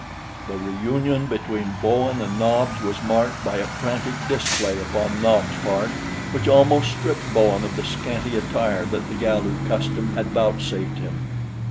The reunion between Bowen and Nobs was marked by a frantic display upon Nobs' part, which almost stripped Bowen of the scanty attire that the Galu custom had vouchsafed him.